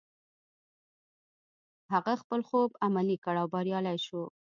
هغه خپل خوب عملي کړ او بريالی شو.